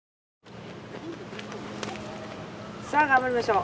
さあ頑張りましょう。